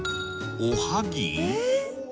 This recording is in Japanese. おはぎ？